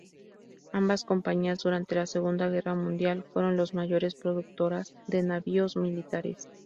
Ambas compañías, durante la Segunda Guerra Mundial, fueron los mayores productoras de navíos militares.